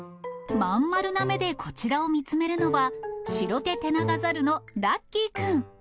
真ん丸な目でこちらを見つめるのは、シロテテナガザルのラッキーくん。